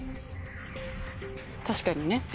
確かにね。